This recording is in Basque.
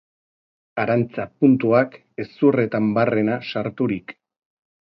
Arantza-puntak hezurrean barrena sarturik.